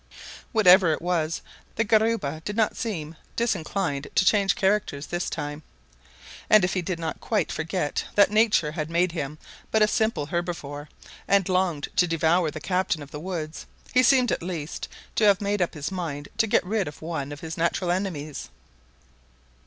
Whatever it was, the guariba did not seen disinclined to change characters this time, and if he did not quite forget that nature had made him but a simple herbivore, and longed to devour the captain of the woods, he seemed at least to have made up his mind to get rid of one of his natural enemies.